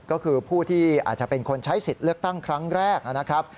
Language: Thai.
ก็คือผู้ที่อาจจะเป็นคนใช้สิทธิ์เลือกตั้งครั้งแรกนะครับ